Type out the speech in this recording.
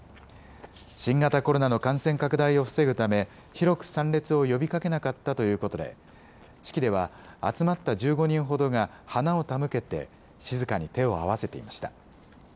新型コロナの感染拡大を防ぐため、広く参列を呼びかけなかったということで、式では、集まった１５人ほどが花を手向けて、静かに手を合わせていました。